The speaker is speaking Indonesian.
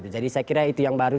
jadi saya kira itu yang baru